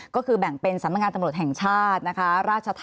ก็คือแบ่งเป็นสำนักงานตำรวจแห่งชาตินะคะ